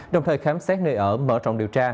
đồng thời khám xét nơi ở mở rộng điều tra